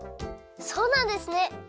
そうなんですね！